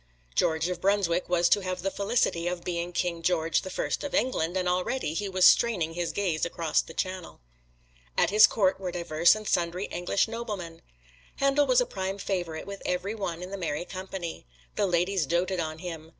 George of Brunswick was to have the felicity of being King George the First of England, and already he was straining his gaze across the Channel. At his Court were divers and sundry English noblemen. Handel was a prime favorite with every one in the merry company. The ladies doted on him.